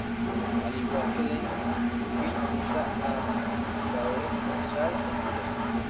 Al igual que Lemmy, Phil usa amplificadores Marshall en directo.